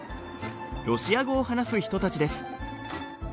ロシア語を話す人たちです。